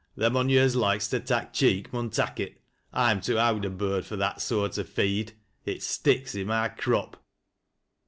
" Them on yo' as loikos to tak' cheek mim tak' it, I'm too owd a bird fur that eoart o' feed. It sticks i' my crop.